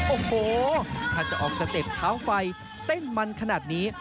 โอ้โหถ้าจะออกสเต็ปเท้าไฟเต้นมันขนาดนี้